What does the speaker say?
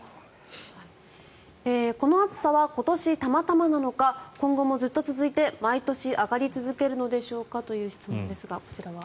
この暑さは今年、たまたまなのか今後もずっと続いて毎年上がり続けるのでしょうかという質問ですがこちらは。